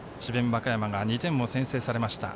和歌山が２点を先制されました。